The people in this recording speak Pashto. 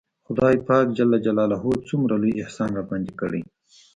خداى پاک څومره لوى احسان راباندې کړى.